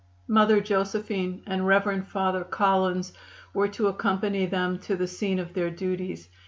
Mother Josephine and Rev. Father Collins were to accompany them to the scene of their duties.